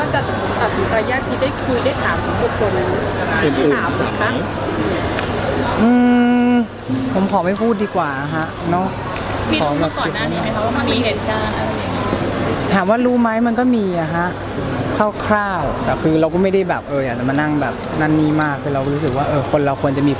จริงก่อนที่จะตัดสินใจอย่างดีก็คือได้ถามบุคคลที่สามสิคะ